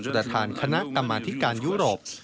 ประธานคณะกรรมาธิการยุโรป